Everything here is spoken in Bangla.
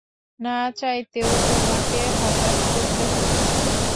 না চাইতেও তোমাকে হতাশ করতে হচ্ছে।